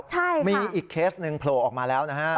ใช่ค่ะมีอีกเคสหนึ่งโผล่ออกมาแล้ว